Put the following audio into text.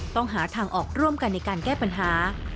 ต้องหาทางออกร่วมกันในการแก้ปัญหา